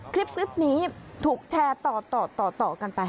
คลิปนี้ถูกแชร์ต่อกันไป